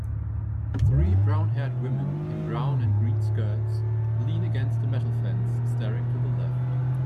Three brownhaired women in brown and green skirts lean against a metal fence staring to the left.